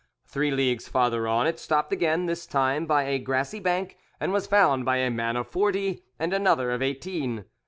Three leagues farther on it stopped again, this time by a grassy bank, and was found by a man of forty and another of eighteen.